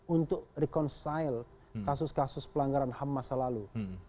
untuk reconcile kasus kasus pelanggaran ham masa lalu